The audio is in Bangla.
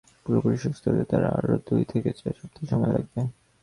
পুরোপুরি সুস্থ হতে তাঁর আরও দুই থেকে চার সপ্তাহ সময় লাগবে।